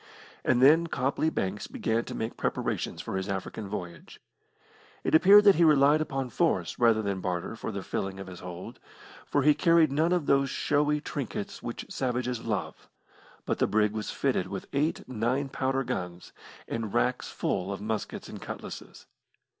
And then Copley Banks began to make preparations for his African voyage. It appeared that he relied upon force rather than barter for the filling of his hold, for he carried none of those showy trinkets which savages love, but the brig was fitted with eight nine pounder guns, and racks full of muskets and cutlasses.